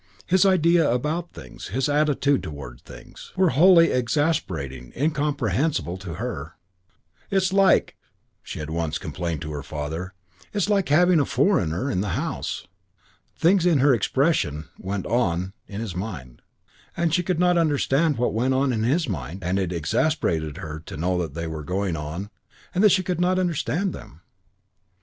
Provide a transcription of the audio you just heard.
His ideas about things, his attitude towards things, were wholly and exasperatingly incomprehensible to her. "It's like," she had once complained to her father, "it's like having a foreigner in the house." Things, in her expression, "went on" in his mind, and she could not understand what went on in his mind, and it exasperated her to know they were going on and that she could not understand them.